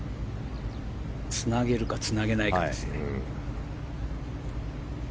つなげるかつなげないかです。